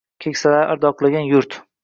Keksalari ardoqlangan yurt